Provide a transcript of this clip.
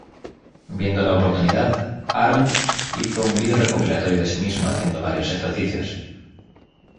Viendo la oportunidad, Arndt hizo un vídeo recopilatorio de sí mismo haciendo varios ejercicios.